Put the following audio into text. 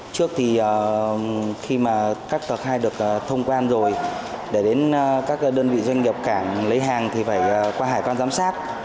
trước thì khi mà các tờ khai được thông quan rồi để đến các đơn vị doanh nghiệp cảng lấy hàng thì phải qua hải quan giám sát